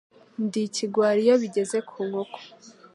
Ndi ikigwari iyo bigeze ku nkoko.